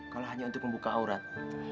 kalau hanya untuk membuka aurat